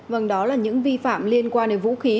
vâng đó là những vi phạm liên quan đến vũ khí